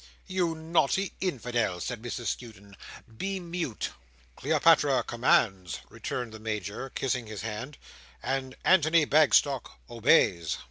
"You naughty Infidel," said Mrs Skewton, "be mute." "Cleopatra commands," returned the Major, kissing his hand, "and Antony Bagstock obeys."